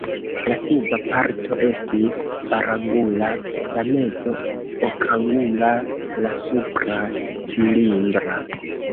La suba parto estis kvarangula, la mezo okangula, la supra cilindra.